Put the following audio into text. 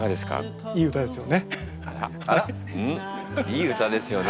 いい歌ですよね？